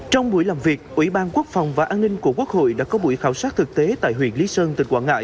trong buổi làm việc ủy ban quốc phòng và an ninh của quốc hội đã có buổi khảo sát thực tế tại huyện lý sơn tỉnh quảng ngãi